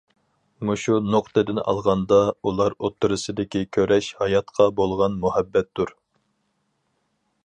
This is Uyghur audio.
مۇشۇ نۇقتىدىن ئالغاندا، ئۇلار ئوتتۇرىسىدىكى كۈرەش ھاياتقا بولغان مۇھەببەتتۇر.